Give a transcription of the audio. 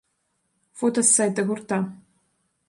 Фота з сайта гурта.